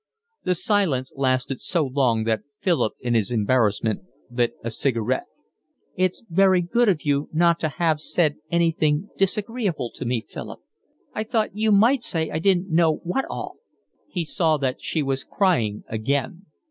The silence lasted so long that Philip in his embarrassment lit a cigarette. "It's very good of you not to have said anything disagreeable to me, Philip. I thought you might say I didn't know what all." He saw that she was crying again.